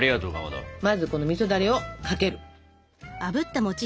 まずこのみそだれをかける！